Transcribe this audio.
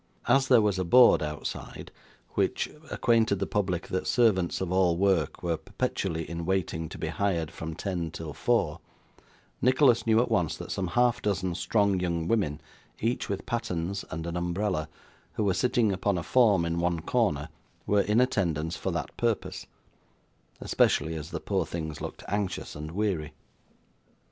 As there was a board outside, which acquainted the public that servants of all work were perpetually in waiting to be hired from ten till four, Nicholas knew at once that some half dozen strong young women, each with pattens and an umbrella, who were sitting upon a form in one corner, were in attendance for that purpose: especially as the poor things looked anxious and weary.